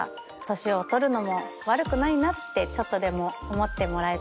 年を取るのも悪くないなってちょっとでも思ってもらえたら。